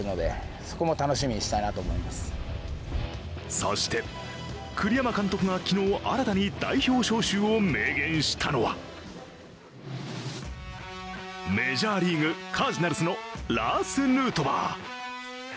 そして、栗山監督が昨日、新たに代表招集を明言したのはメジャーリーグ、カージナルスのラース・ヌートバー。